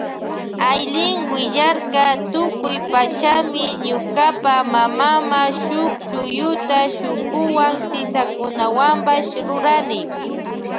Aylin willarka tukuy pachami ñukapa mamama shuk shuyuta shunkuwan sisakunawanpash rurani.